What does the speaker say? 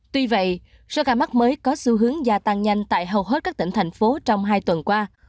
tuy vậy số ca mắc mới có xu hướng gia tăng nhanh tại hầu hết các tỉnh thành phố trong hai tuần qua